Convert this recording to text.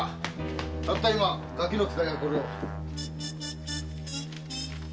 たった今ガキの使いがこれを。